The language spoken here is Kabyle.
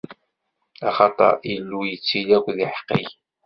Axaṭer Illu yettili akked yiḥeqqiyen.